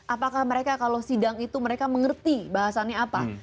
apakah mereka kalau sidang itu mereka mengerti bahasanya apa